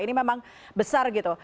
ini memang besar gitu